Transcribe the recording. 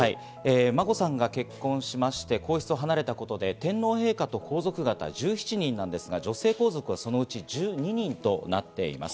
眞子さんが結婚しまして皇室を離れたことで天皇陛下と皇族方、１７人なんですが、女性皇族はそのうち１２人となっています。